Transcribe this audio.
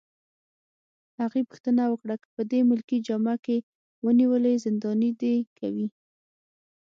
هغې پوښتنه وکړه: که په دې ملکي جامه کي ونیولې، زنداني دي کوي؟